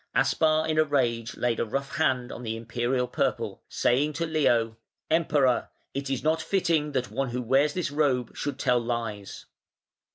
Aspar in a rage laid a rough hand on the Imperial purple, saying to Leo: "Emperor! it is not fitting that one who wears this robe should tell lies".